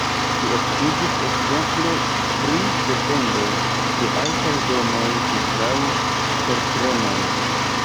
Li okupiĝis ekzemple pri defendo de altaj domoj kontraŭ tertremoj.